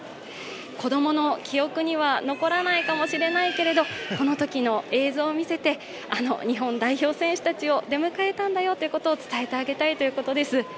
子供の記憶には残らないかもしれないけれど、このときの映像を見せてあの日本代表選手たちを出迎えたんだよということを伝えてあげたいということです。